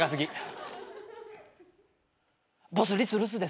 「ボスリス留守です」